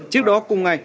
trước đó cùng ngay